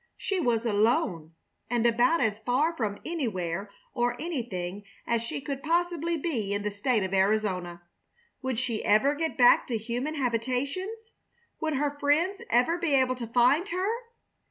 She was alone, and about as far from anywhere or anything as she could possibly be in the State of Arizona. Would she ever get back to human habitations? Would her friends ever be able to find her?